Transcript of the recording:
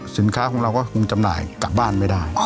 สินค้าของเราก็คงจำหน่ายกลับบ้านไม่ได้